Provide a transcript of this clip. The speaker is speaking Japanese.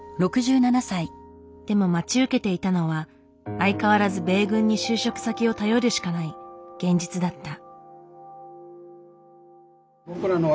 でも待ち受けていたのは相変わらず米軍に就職先を頼るしかない現実だった。